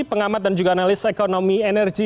pengamat dan juga analis ekonomi energi